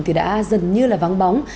thì đã dần như là vắng bóng